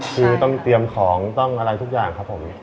คือต้องเตรียมของต้องอะไรทุกอย่างครับผม